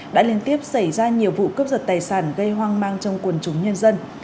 đã liên tiếp xảy ra nhiều vụ cướp giật tài sản gây hoang mang trong quần chúng nhân dân